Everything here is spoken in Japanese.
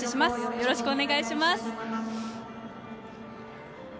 よろしくお願いします。